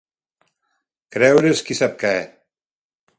Creure's qui sap què.